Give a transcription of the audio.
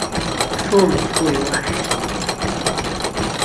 Дцомызт уи уахь.